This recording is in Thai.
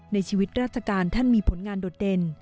ในชีวิตราชการท่านมีผลงานโดดเด่น